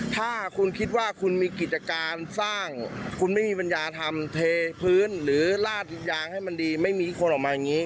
ทำเทพื้นหรือลาดยางให้มันดีไม่มีคนออกมาอย่างนี้